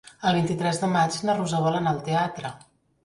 El vint-i-tres de maig na Rosó vol anar al teatre.